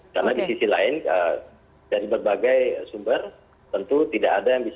karena di sisi lain dari berbagai sumber tentu tidak ada yang bisa